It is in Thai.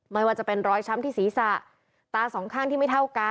ไม่ว่าจะเป็นรอยช้ำที่ศีรษะตาสองข้างที่ไม่เท่ากัน